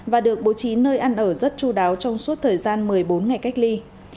và được bố trí nơi ăn ở rất chú đáo trong suốt thời gian một mươi bốn ngày cách ly